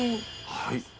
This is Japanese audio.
はい。